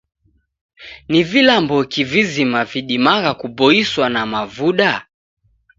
Ni vilamboki vizima vidimagha kuboiswa na mavuda?